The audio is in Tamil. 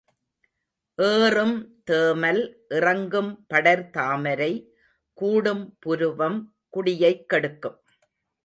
ஏறும் தேமல், இறங்கும் படர் தாமரை, கூடும் புருவம் குடியைக் கெடுக்கும்.